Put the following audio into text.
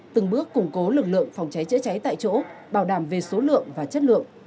từng bước củng cố lực lượng phòng cháy chữa cháy tại chỗ bảo đảm về số lượng và chất lượng